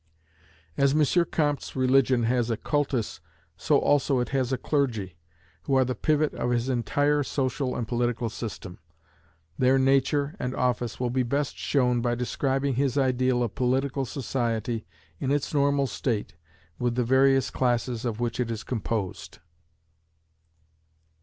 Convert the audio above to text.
As M. Comte's religion has a cultus, so also it has a clergy, who are the pivot of his entire social and political system. Their nature and office will be best shown by describing his ideal of political society in its normal state, with the various classes of which it is composed.